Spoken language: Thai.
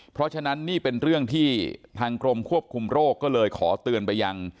เพราะฉะนั้นนี่เป็นเรื่องที่ทางกรมควบคุมโรคก็เลยขอเตือนไปยัง